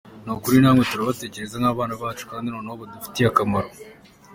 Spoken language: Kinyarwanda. Ni ukuri namwe tubatekereza nk’abana bacu kandi noneho badufitiye akamaro.